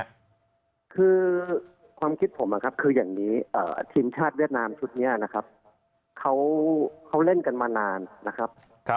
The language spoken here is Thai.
คือความคิดผมนะครับคืออย่างนี้ทีมชาติเวียดนามชุดนี้นะครับเขาเล่นกันมานานนะครับ